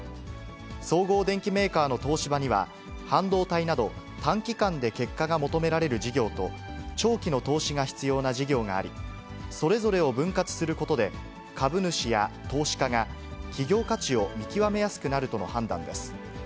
総合電機メーカーの東芝には、半導体など短期間で結果が求められる事業と、長期の投資が必要な事業があり、それぞれを分割することで、株主や投資家が企業価値を見極めやすくなるとの判断です。